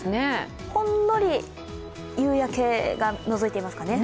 ほんのり夕焼けがのぞいていますかね。